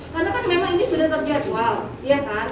karena kan memang ini sudah terjadi